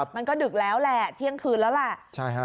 มันก็ดึกแล้วแหละเที่ยงคืนแล้วแหละ